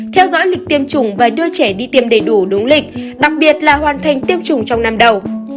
theo dõi lịch tiêm chủng và đưa trẻ đi tiêm đầy đủ đúng lịch đặc biệt là hoàn thành tiêm chủng trong năm đầu